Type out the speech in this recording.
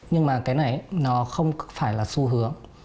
nhưng mà cái này nó không phải là xu hướng